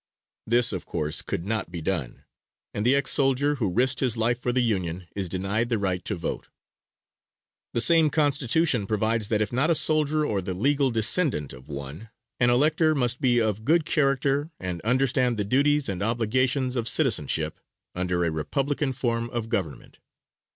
This, of course, could not be done, and the ex soldier who risked his life for the Union is denied the right to vote. The same Constitution provides that if not a soldier or the legal descendant of one, an elector must be of good character and understand the duties and obligations of citizenship under a Republican form of government.